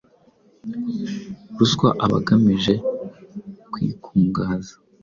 ruswa aba agamije kwikungahaza,